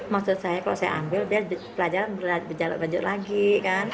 maksud saya kalau saya ambil dia belajar berjalan belajar lagi kan